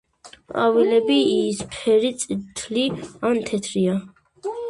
ყვავილები იისფერი, წითლი ან თეთრია.